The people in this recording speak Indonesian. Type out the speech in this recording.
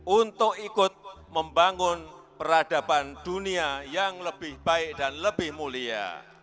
untuk ikut membangun peradaban dunia yang lebih baik dan lebih mulia